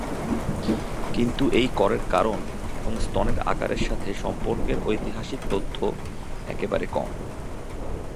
কিন্তু এই করের কারণ এবং স্তনের আকারের সাথে সম্পর্কের ঐতিহাসিক তথ্য একেবারে কম।